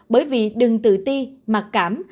bởi vì đừng tự ti mặc cảm